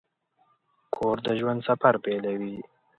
کور د ژوند سفر پیلوي.